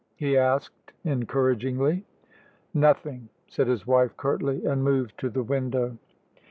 he asked encouragingly. "Nothing!" said his wife, curtly, and moved to the window.